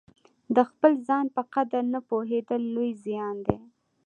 د خپل ځان په قدر نه پوهېدل لوی زیان دی.